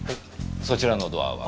そちらのドアは？